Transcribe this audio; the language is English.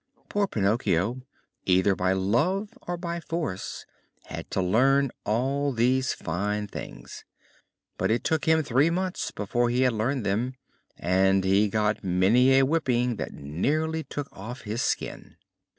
Poor Pinocchio, either by love or by force, had to learn all these fine things. But it took him three months before he had learned them, and he got many a whipping that nearly took off his skin.